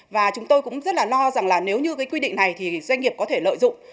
và chúng tôi cũng rất là lo rằng là nếu như cái quy định này thì doanh nghiệp có thể lợi dụng